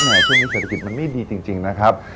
ช่วงนี้เศรษฐกิจมันไม่ดีจริงนะครับ